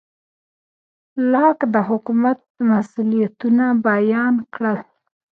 لاک د حکومت مسوولیتونه بیان کړل.